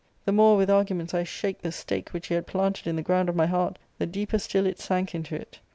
^ The more with arguments I shaked the stake which he had planted in the ground of my heart, the deeper still it sank into it.